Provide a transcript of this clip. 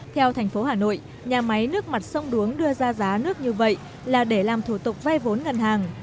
theo thành phố hà nội nhà máy nước mặt sông đuống đưa ra giá nước như vậy là để làm thủ tục vay vốn ngân hàng